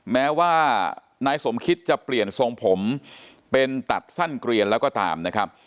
แม้ว่านายสมคิดจะเปลี่ยนทรงผมเป็นตัดสั้นเกลียนแล้วก็ตามนะครับ